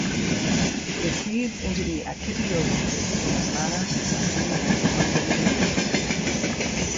It feeds into the Akitio River in the Manawatu-Wanganui region.